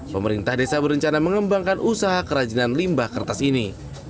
pemerintah desa berencana mengembangkan usaha kerajinan limbah kertas ini